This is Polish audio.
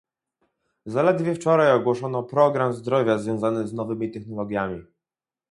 Zaledwie wczoraj ogłoszono program zdrowia związany z nowymi technologiami